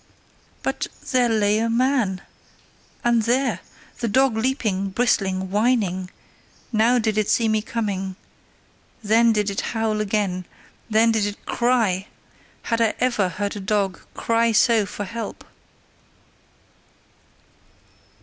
BUT THERE LAY A MAN! And there! The dog leaping, bristling, whining now did it see me coming then did it howl again, then did it CRY: had I ever heard a dog cry so for help?